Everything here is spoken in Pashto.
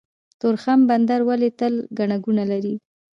تورخم بندر ولې تل ګڼه ګوڼه لري؟